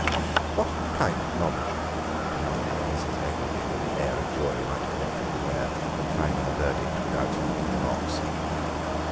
"What kind of knowledge?" demanded Mrs. Eggelby, with the air a jury might collectively wear when finding a verdict without leaving the box.